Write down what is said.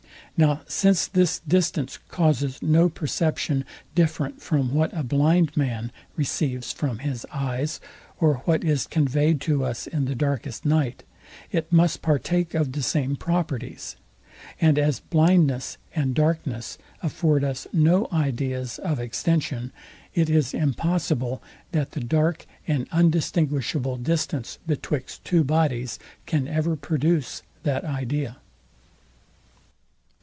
Now since this distance causes no perception different from what a blind man receives from his eyes, or what is conveyed to us in the darkest night, it must partake of the same properties: And as blindness and darkness afford us no ideas of extension, it is impossible that the dark and undistinguishable distance betwixt two bodies can ever produce that idea.